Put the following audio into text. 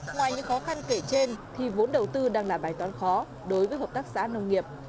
ngoài những khó khăn kể trên thì vốn đầu tư đang là bài toán khó đối với hợp tác xã nông nghiệp